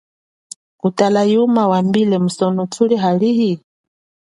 Kutala yize yuma wambile, musono thuli halihi?